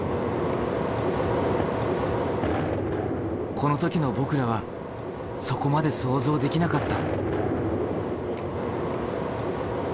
この時の僕らはそこまで想像できなかった。